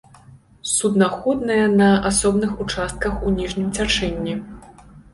Суднаходная на асобных участках у ніжнім цячэнні.